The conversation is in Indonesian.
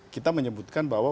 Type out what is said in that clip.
kita menyebutkan bahwa